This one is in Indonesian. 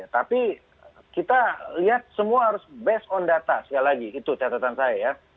tapi kita lihat semua harus based on data sekali lagi itu catatan saya ya